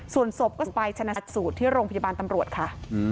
ส่วนศพก็ไปชนะสูตรที่โรงพยาบาลตำรวจค่ะ